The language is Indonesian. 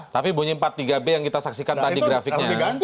tapi bunyi empat tiga b yang kita saksikan tadi grafiknya